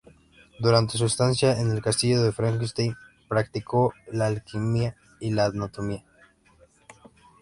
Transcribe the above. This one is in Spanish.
Durante su estancia en el Castillo de Frankenstein practicó la alquimia y la anatomía.